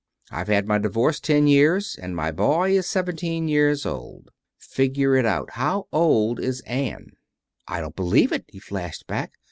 I've had my divorce ten years, and my boy is seventeen years old. Figure it out. How old is Ann?" "I don't believe it," he flashed back.